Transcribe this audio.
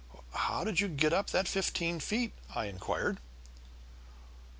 "How did you get up that fifteen feet?" I inquired.